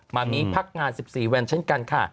มามีพักงาน๑๔วันเช่นกันค่ะ